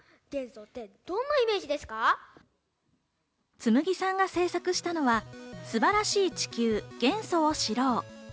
紬記さんが制作したのは「素晴らしい地球元素を知ろう」。